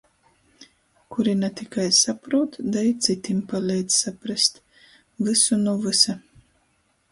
Kuri na tikai saprūt, da i cytim paleidz saprast. Vysu nu vysa!